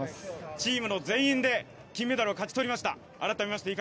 チームの全員で金メダルを勝ち取りました。